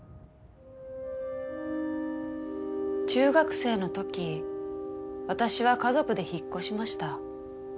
中学生の時私は家族で引っ越しました。